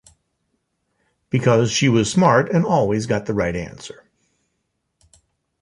Because she was smart and always got the right answer.